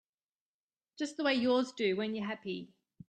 Just the way yours do when you're happy.